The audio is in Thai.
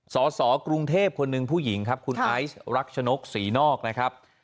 สสกรุงเทพคนหนึ่งผู้หญิงครับคุณไอซ์รักชนกศรีนอกนะครับ